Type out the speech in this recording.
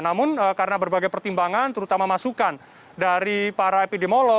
namun karena berbagai pertimbangan terutama masukan dari para epidemiolog